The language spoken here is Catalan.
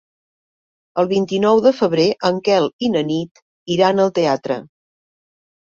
El vint-i-nou de febrer en Quel i na Nit iran al teatre.